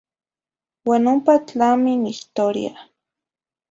Uan ompa tlami n historia.